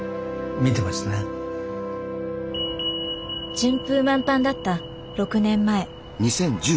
順風満帆だった６年前。